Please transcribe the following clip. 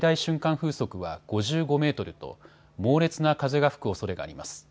風速は５５メートルと猛烈な風が吹くおそれがあります。